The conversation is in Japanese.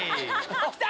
きた！